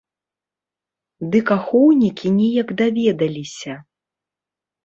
Дык ахоўнікі неяк даведаліся.